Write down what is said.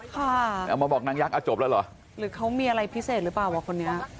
เอามาบอกนางยักษจบแล้วเหรอหรือเขามีอะไรพิเศษหรือเปล่าวะคนนี้